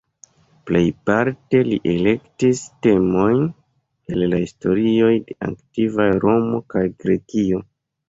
Plejparte li elektis temojn el la historioj de antikvaj Romo kaj Grekio.